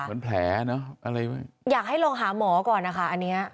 เหมือนแผลเนอะอะไรอยากให้ลองหาหมอก่อนนะคะอันเนี้ย